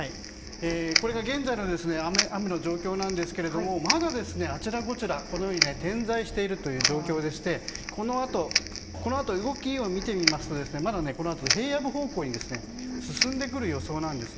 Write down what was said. これが現在の雨の状況ですがまだあちらこちら点在している状況でしてこのあとの動きを見てみますとまだこのあと平野部方向に進んでくる予想です。